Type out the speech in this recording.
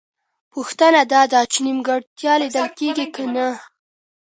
پوښتنه دا ده چې نیمګړتیا لېږدېږي که نه؟